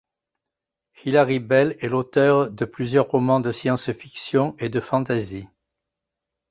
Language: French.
Hilari Bell est l'auteure de plusieurs romans de science-fiction et de fantasy.